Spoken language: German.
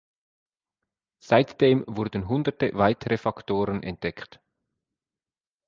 Seitdem wurden hunderte weitere Faktoren entdeckt.